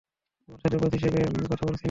তোমার সাথে বস হিসেবে কথা বলছি না।